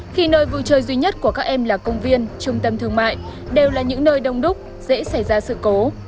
khi nơi vui chơi duy nhất của các em là công viên trung tâm thương mại đều là những nơi đông đúc dễ xảy ra sự cố